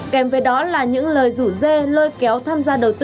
kèm với đó là những lời rủ dê lôi kéo tham gia đầu tư